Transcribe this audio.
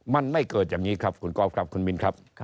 มันไม่เกิดอย่างนี้ครับ